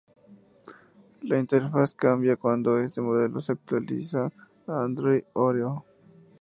La interfaz cambia cuando este modelo se actualiza a Android Oreo.